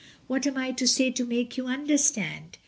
What am I to say to make you understand?"